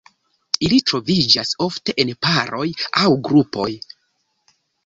Ili troviĝas ofte en paroj aŭ grupoj.